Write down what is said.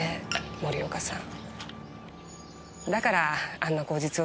森岡さん